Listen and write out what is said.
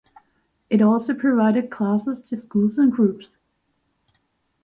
It also provided classes to schools and groups.